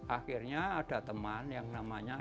akhirnya ada teman yang namanya